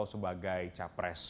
atau sebagai capres